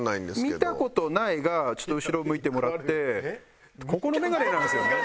「見たことない」がちょっと後ろを向いてもらってここのメガネなんですよね。